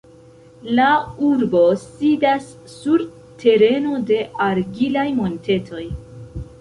La urbo sidas sur tereno de argilaj montetoj.